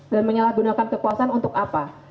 dan menyalahgunakan kekuasaan untuk apa